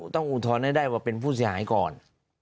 อุทธรณ์ให้ได้ว่าเป็นผู้เสียหายก่อน